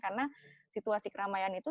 karena situasi keramaian itu